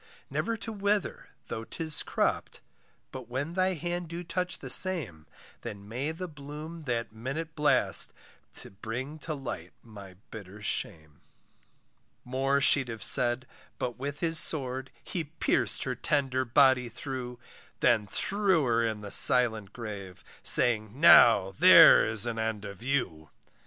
Never to wither though 'tis cropped, But when thy hand do touch the same, Then may the bloom that minute blast To bring to light my bitter shame. More she'd have said, but with his sword, He pierc'd her tender body through; Then threw her in the silent grave, Saying, now, there is an end of you.